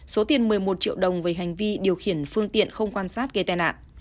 số tiền một mươi một triệu đồng về hành vi điều khiển phương tiện không quan sát gây tai nạn